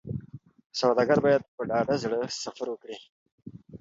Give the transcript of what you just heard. سوداګر باید په ډاډه زړه سفر وکړي.